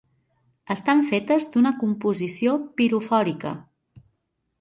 Estan fetes d'una composició pirofòrica.